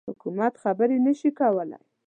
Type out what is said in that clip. حکومت خبري نه شي کولای.